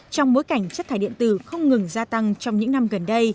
trong bối cảnh chất thải điện tử không ngừng gia tăng trong những năm gần đây